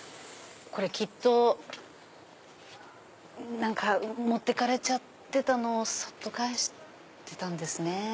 きっと持って行かれちゃってたのをそっと返してたんですね。